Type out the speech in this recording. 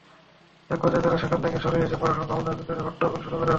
একপর্যায়ে তাঁরা সেখান থেকে সরে এসে প্রশাসন ভবনের ভেতরে হট্টগোল শুরু করেন।